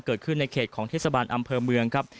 เกิดขึ้นในเขตของเทศบาลอำเภอเมืองครับ